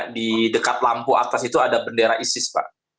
di dekat lampu atas itu ada bendera isis pak